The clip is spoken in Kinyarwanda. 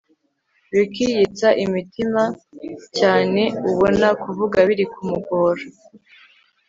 Ricky yitsa imitima cyane ubona kuvuga biri kumugora